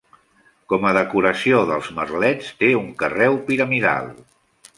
Com a decoració dels merlets, té un carreu piramidal.